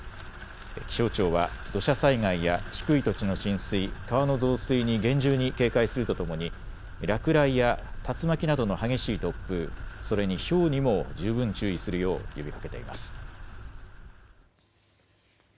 気象庁は土砂災害や低い土地の浸水、川の増水に厳重に警戒するとともに落雷や竜巻などの激しい突風、それにひょうにも十分注意するよう呼びかけています。